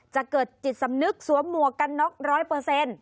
จะเกิดจิตสำนึกสวมหมวกกันน็อกร้อยเปอร์เซ็นต์